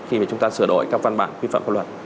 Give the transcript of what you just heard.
khi mà chúng ta sửa đổi các văn bản quy phạm pháp luật